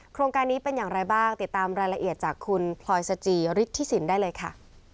โครงการนี้เป็นอย่างไรบ้างติดตามรายละเอียดจากคุณพลอยสจิฤทธิสินได้เลยค่ะ